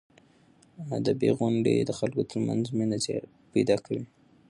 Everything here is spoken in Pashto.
ادبي غونډې د خلکو ترمنځ مینه پیدا کوي.